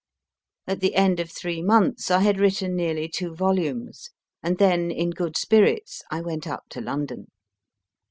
? At the end of three months I had written nearly two volumes, and then in good spirits I went up to London.